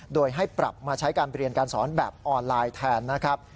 โดยให้ปรับมาใช้การเรียนการสอนแบบออนไลน์แทนนะครับ